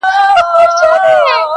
څاڅکي څاڅکي څڅېدلې له انګوره،